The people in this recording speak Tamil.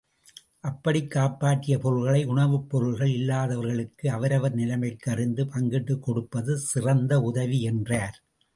அப்படிக் காப்பாற்றிய பொருள்களை உணவுப் பொருள்கள் இல்லாதவர்களுக்கு அவரவர் நிலைமை அறிந்து பங்கிட்டுக் கொடுப்பது சிறந்த உதவி என்றார்.